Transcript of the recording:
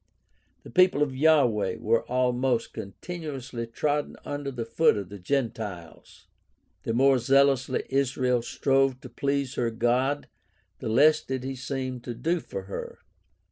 The people of Yahweh were almost con tinuously trodden under the foot of the Gentiles. The more zealously Israel strove to please her God the less did he seem to do for her.